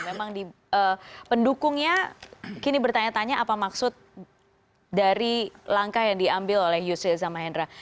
memang pendukungnya kini bertanya tanya apa maksud dari langkah yang diambil oleh yusril zamahendra